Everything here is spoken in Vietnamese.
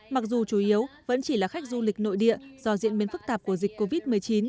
mặc dù chủ yếu vẫn chỉ là khách du lịch nội địa do diễn biến phức tạp của dịch covid một mươi chín